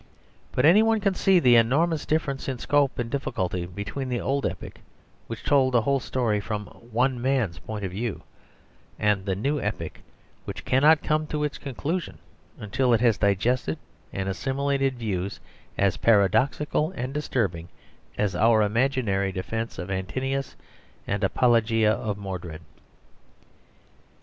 But any one can see the enormous difference in scope and difficulty between the old epic which told the whole story from one man's point of view, and the new epic which cannot come to its conclusion, until it has digested and assimilated views as paradoxical and disturbing as our imaginary defence of Antinous and apologia of Mordred.